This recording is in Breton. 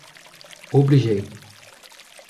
Oblij eo.